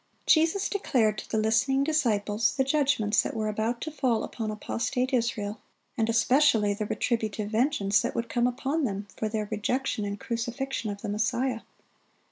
Jesus declared to the listening disciples the judgments that were to fall upon apostate Israel, and especially the retributive vengeance that would come upon them for their rejection and crucifixion of the Messiah.